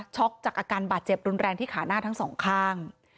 จากอาการบาดเจ็บรุนแรงที่ขาหน้าทั้งสองข้าง